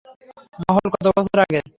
মহল কত বছর আগের?